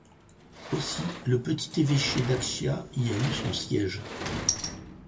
Aussi, le petit évêché d'Accia y a eu son siège.